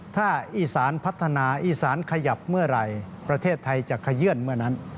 ถ้าอีสานพัฒนาอีสานขยับเมื่อไหร่ประเทศไทยจะขยื่นเมื่อนั้น